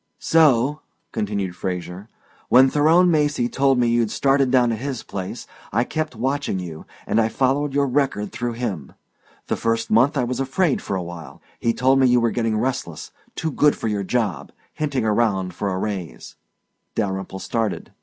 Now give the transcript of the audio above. "So," continued Fraser, "when Theron Macy told me you'd started down at his place, I kept watching you, and I followed your record through him. The first month I was afraid for awhile. He told me you were getting restless, too good for your job, hinting around for a raise " Dalyrimple started.